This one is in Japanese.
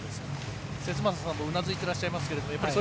節政さんもうなずいていらっしゃいますが。